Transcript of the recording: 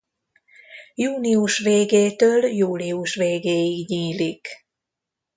Június végétől július végéig nyílik.